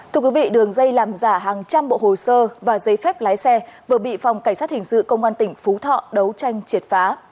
thưa quý vị đường dây làm giả hàng trăm bộ hồ sơ và giấy phép lái xe vừa bị phòng cảnh sát hình sự công an tỉnh phú thọ đấu tranh triệt phá